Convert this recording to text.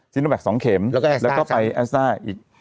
๒เข็งแล้วก็แล้วก็ค้าอีก